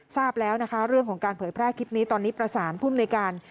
ทราบแล้วนะคะเรื่องของการเผยแพร่คลิปนี้ตอนนี้ประสานภูมิในการ